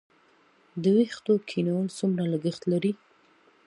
د ویښتو کینول څومره لګښت لري؟